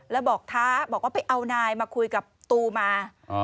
แล้วบอกท้าพี่เอ่อนายมาคุยกับตูมา